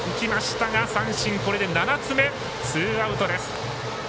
これで７つ目、ツーアウトです。